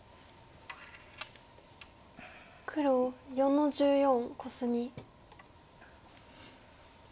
黒４の十四コスミ。